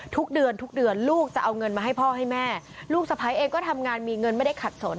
ทุกเดือนทุกเดือนลูกจะเอาเงินมาให้พ่อให้แม่ลูกสะพ้ายเองก็ทำงานมีเงินไม่ได้ขัดสน